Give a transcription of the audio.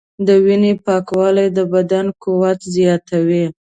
د وینې پاکوالی د بدن قوت زیاتوي.